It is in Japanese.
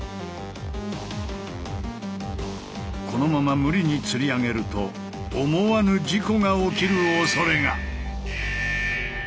このまま無理につり上げると思わぬ事故が起きるおそれが。